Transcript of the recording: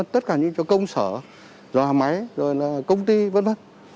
tất cả những công sở máy công ty v v